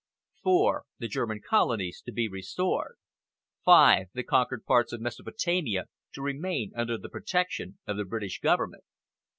4. The German colonies to be restored. 5. The conquered parts of Mesopotamia to remain under the protection of the British Government.